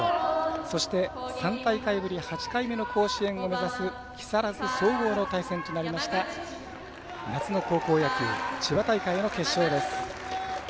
そして、３大会ぶり８回目の甲子園を狙う木更津総合の対戦となりました夏の高校野球千葉大会の決勝です。